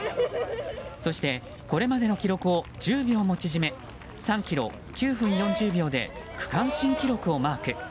そして、これまでの記録を１０秒も縮め３ｋｍ、９分４０秒で区間新記録をマーク。